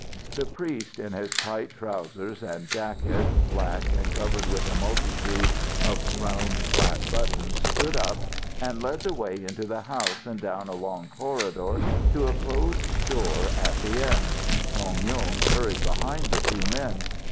The priest, in his tight trousers, and jacket, black and covered with a multitude of round flat buttons, stood up, and led the way into the house and down a long corridor to a closed door at the end. Dong Yung hurried behind the two men.